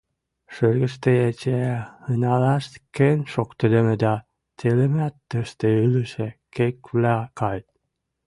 Шӹргӹштӹ эче хыналаш кен шоктыдымы дӓ телӹмӓт тиштӹ ӹлӹшӹ кеквлӓ кайыт.